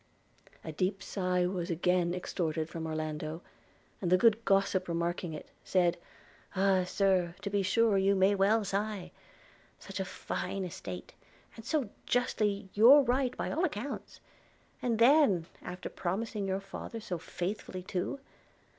A deep sigh was again extorted from Orlando, and the good gossip remarking it, said: 'Ah, Sir, to be sure you may well sigh! – Such a fine estate! and so justly your right by all accounts; and then, after promising your father so faithfully too!